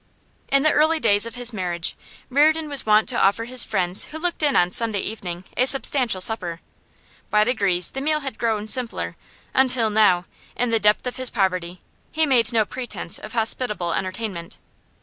In the early days of his marriage Reardon was wont to offer the friends who looked in on Sunday evening a substantial supper; by degrees the meal had grown simpler, until now, in the depth of his poverty, he made no pretence of hospitable entertainment.